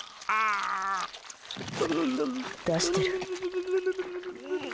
出してる。